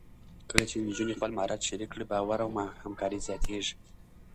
کله چې نجونې خپل مهارت شریک کړي، باور او همکاري زیاتېږي.